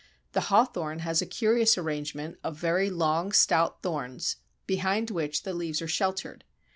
The Hawthorn has a curious arrangement of very long stout thorns, behind which the leaves are sheltered.